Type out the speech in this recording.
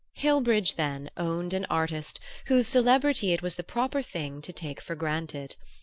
Hillbridge, then, owned an artist whose celebrity it was the proper thing to take for granted!